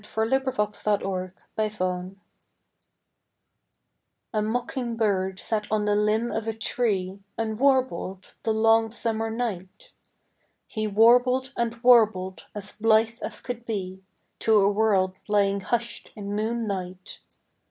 40 Miscellaneous Poems THE SONG K MOCKING bird sat on the limb of a tree And warbled the long summer night; He warbled and warbled as blithe as could be To a world lying hushed in moonlight.